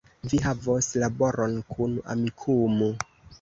Vi havos laboron kun Amikumu